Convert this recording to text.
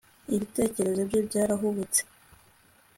Ibitekerezo bye byarahubutse